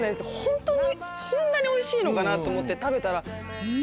ホントにそんなにおいしいのかな？と思って食べたら。